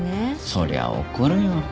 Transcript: そりゃ怒るよ。